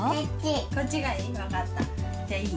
こっちがいい？